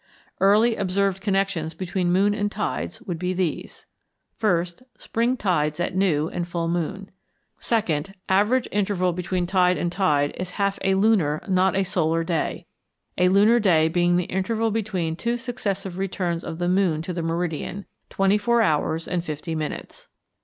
Early observed connections between moon and tides would be these: 1st. Spring tides at new and full moon. 2nd. Average interval between tide and tide is half a lunar, not a solar, day a lunar day being the interval between two successive returns of the moon to the meridian: 24 hours and 50 minutes.